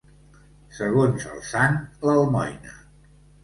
Segons el sant, l'almoina.